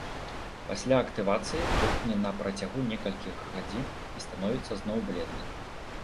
Пасля актывацыі тухне на працягу некалькіх гадзін і становіцца зноў бледнай.